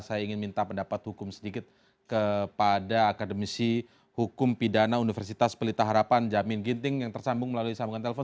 saya ingin minta pendapat hukum sedikit kepada akademisi hukum pidana universitas pelita harapan jamin ginting yang tersambung melalui sambungan telepon